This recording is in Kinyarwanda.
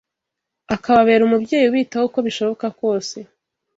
akababera umubyeyi ubitaho uko bishoboka kose